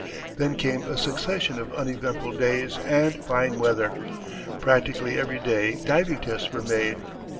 Then came a succession of uneventful days and fine weather. Practically every day diving tests were made.